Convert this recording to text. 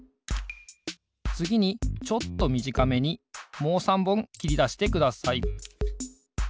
つぎにちょっとみじかめにもう３ぼんきりだしてください。